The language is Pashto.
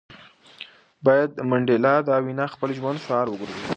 باید د منډېلا دا وینا د خپل ژوند شعار وګرځوو.